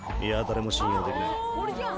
誰も信用できない